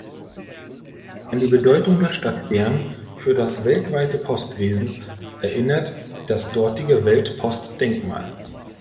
An die Bedeutung der Stadt Bern für das weltweite Postwesen erinnert das dortige Weltpost-Denkmal.